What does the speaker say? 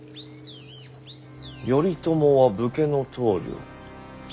頼朝は武家の棟梁。